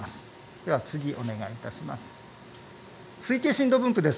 では次、お願いいたします。